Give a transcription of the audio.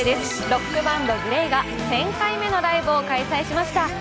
ロックバンドＧＬＡＹが１０００回目のライブを開催しました。